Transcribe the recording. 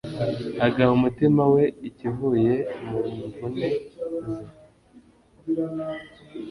agaha umutima we ikivuye mu mvune ze